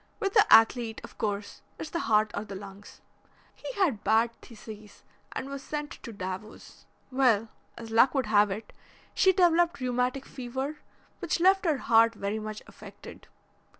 With the athlete, of course, it's the heart or the lungs. He had bad phthisis and was sent to Davos. Well, as luck would have it, she developed rheumatic fever, which left her heart very much affected.